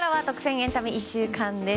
エンタメ１週間です。